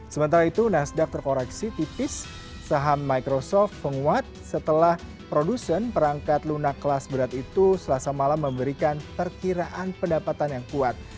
sementara itu nasdaq terkoreksi tipis saham microsoft menguat setelah produsen perangkat lunak kelas berat itu selasa malam memberikan perkiraan pendapatan yang kuat